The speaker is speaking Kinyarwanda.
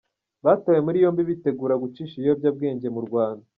Batawe muri yombi bitegura gucisha ibiyobyabwenge mu Rwanda